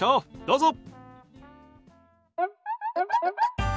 どうぞ。